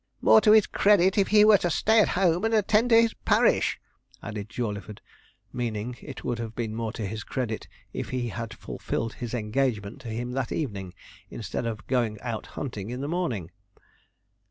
'More to his credit if he were to stay at home and attend to his parish,' added Jawleyford; meaning, it would have been more to his credit if he had fulfilled his engagement to him that evening, instead of going out hunting in the morning.